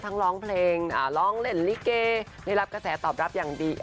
ทั้งร้องแรนลิเกที่รับกระแสตอบรับอย่างดี